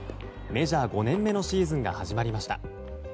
メジャー５年目のシーズンが始まりました。